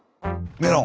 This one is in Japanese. メロン。